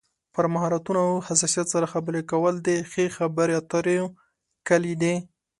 پر مهارتونو او حساسیت سره خبرې کول د ښې خبرې اترو کلي ده.